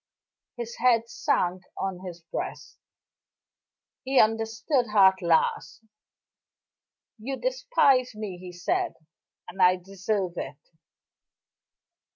His head sank on his breast; he understood her at last. "You despise me," he said, "and I deserve it."